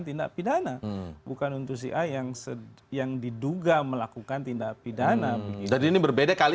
tindak pidana bukan untuk ia yang sedang yang diduga melakukan tindak pidana ini berbeda kali